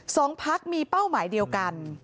สองพักมีเป้าหมายเดียวกัน